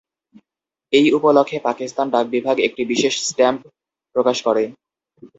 এই উপলক্ষে পাকিস্তান ডাক বিভাগ একটি বিশেষ স্ট্যাম্প প্রকাশ করে।